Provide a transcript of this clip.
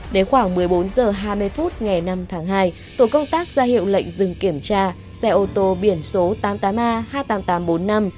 đến khoảng một mươi bốn h hai mươi phút ngày năm tháng hai tổ công tác ra hiệu lệnh dừng kiểm tra xe ô tô biển số tám mươi tám a hai mươi tám nghìn tám trăm bốn mươi năm